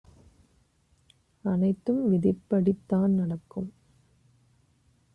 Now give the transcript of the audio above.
அனைத்தும் விதிப்படி தான் நடக்கும்